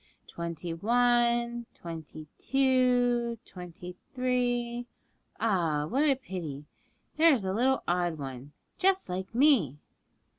'Twenty one, twenty two, twenty three ah, what a pity! there is a little odd one, just like me!'